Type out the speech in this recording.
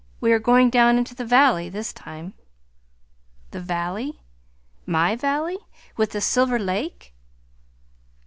We go down into the valley this time." "The valley MY valley, with the Silver Lake?"